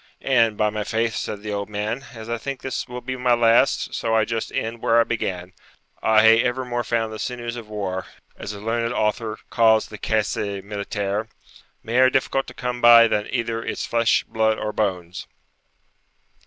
'And, by my faith,' said the old man, 'as I think this will be my last, so I just end where I began: I hae evermore found the sinews of war, as a learned author calls the caisse militaire, mair difficult to come by than either its flesh, blood, or bones.'